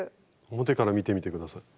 表から見てみて下さい。